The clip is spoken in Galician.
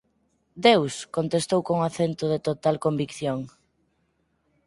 Deus! –contestou con acento de total convicción–.